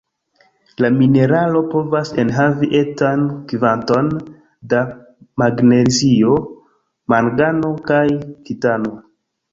La mineralo povas enhavi etan kvanton da magnezio, mangano kaj titano.